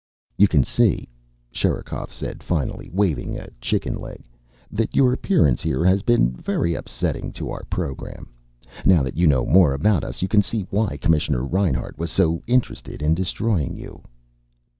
"You can see," Sherikov said finally, waving a chicken leg, "that your appearance here has been very upsetting to our program. Now that you know more about us you can see why Commissioner Reinhart was so interested in destroying you."